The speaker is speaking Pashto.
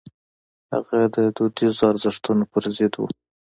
هغه د دودیزو ارزښتونو پر ضد و.